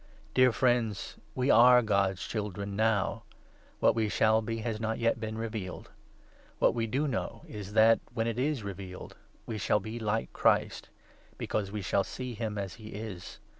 Dear 2 friends, we are God's Children now ; what we shall be has not yet been revealed. What we do know is that, when it is revealed, we shall be like Christ ; because we shall see him as he is.